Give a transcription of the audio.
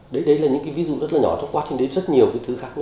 đấy đấy là những cái ví dụ rất là nhỏ trong quá trình đấy rất nhiều cái thứ khác